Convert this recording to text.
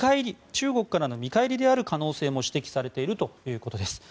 中国からの見返りである可能性も指摘されているということです。